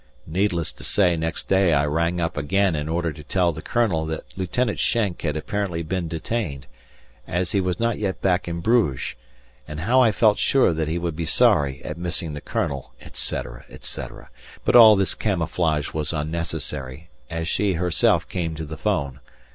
Needless to say next day I rang up again in order to tell the Colonel that Lieutenant Schenk had apparently been detained, as he was not yet back in Bruges, and how I felt sure that he would be sorry at missing the Colonel, etc., etc., but all this camouflage was unnecessary, as she herself came to the 'phone.